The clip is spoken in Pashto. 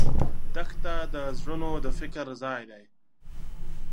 دښته د زړونو د فکر ځای دی.